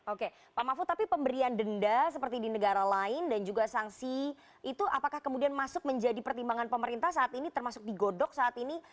oke pak mahfud tapi pemberian denda seperti di negara lain dan juga sanksi itu apakah kemudian masuk menjadi pertimbangan pemerintah saat ini termasuk digodok saat ini